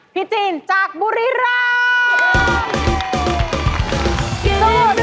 พี่จีนจากบุรีเริ่ม